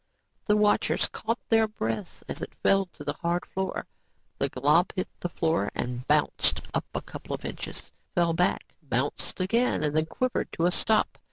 The watchers caught their breath as it fell to the hard floor. The glob hit the floor, bounced up a couple of inches, fell back, bounced again and then quivered to a stop.